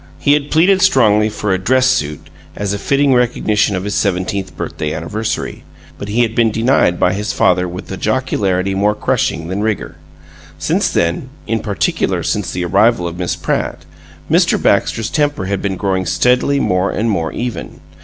He had pleaded strongly for a "dress suit" as a fitting recognition of his seventeenth birthday anniversary, but he had been denied by his father with a jocularity more crushing than rigor. Since then in particular since the arrival of Miss Pratt Mr. Baxter's temper had been growing steadily more and more even.